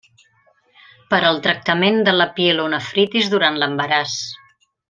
Per al tractament de la pielonefritis durant l'embaràs.